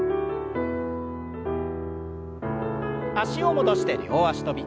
脚を戻して両脚跳び。